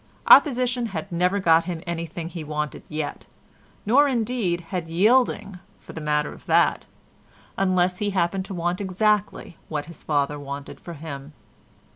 Opposition had never got him anything he wanted yet, nor indeed had yielding, for the matter of that, unless he happened to want exactly what his father wanted for him.